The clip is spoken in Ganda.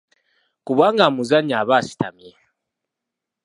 Kubanga amuzannya aba asitamye.